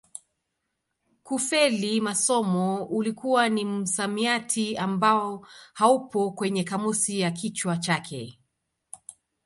Kufeli masomo ulikuwa ni msamiati ambao haupo kwenye kamusi ya kichwa chake